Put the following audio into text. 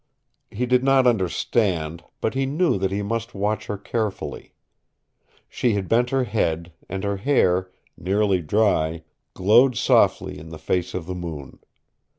He did not understand, but he knew that he must watch her carefully. She had bent her head, and her hair, nearly dry, glowed softly in the face of the moon.